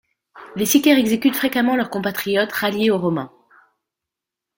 Les sicaires exécutent fréquemment leurs compatriotes ralliés aux Romains.